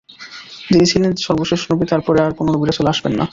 যিনি ছিলেন সর্বশেষ নবী, তার পরে আর কোন নবী-রাসূল আসবেন না।